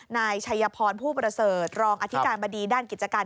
นายชัยพรผู้ประเสริฐรองอธิการบดีด้านกิจการ